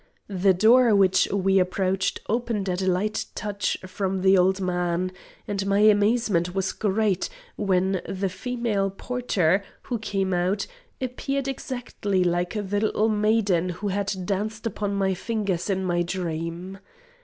The door which we approached opened at a light touch from the old man, and my amazement was great, when the female porter, who came out, appeared exactly like the little maiden who had danced upon my fingers in my dream.